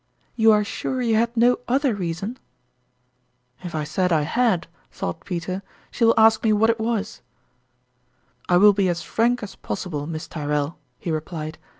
You are sure you had no oilier reason ?"[" If I said I had," thought Peter, " she will ask me what it was."] " I will be as frank as possible, Miss Tyrrell," he replied.